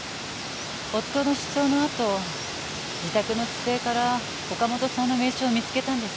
夫の失踪のあと自宅の机から岡本さんの名刺を見つけたんです。